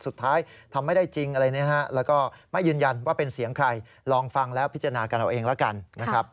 ทำไม่ได้จริงอะไรนะฮะแล้วก็ไม่ยืนยันว่าเป็นเสียงใครลองฟังแล้วพิจารณากันเอาเองแล้วกันนะครับ